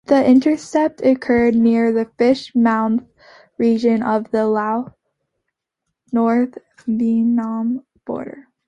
The intercept occurred near the Fish's Mouth region of the Laos, North Vietnam border.